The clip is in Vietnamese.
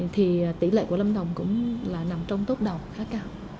thì tỷ lệ của lâm đồng cũng là nằm trong tốt đầu khá cao